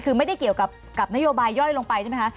คือไม่ได้เกี่ยวกับนโยบายย่อยลงไปใช่ไหมคะ